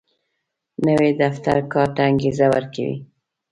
نوی دفتر کار ته انګېزه ورکوي